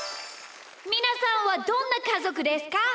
みなさんはどんなかぞくですか？